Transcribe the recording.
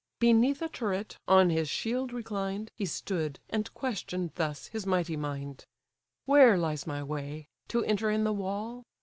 Beneath a turret, on his shield reclined, He stood, and question'd thus his mighty mind: "Where lies my way? to enter in the wall?